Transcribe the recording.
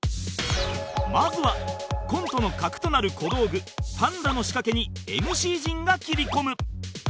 まずはコントの核となる小道具パンダの仕掛けに ＭＣ 陣が切り込む